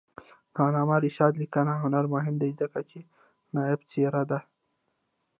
د علامه رشاد لیکنی هنر مهم دی ځکه چې نایابه څېره ده.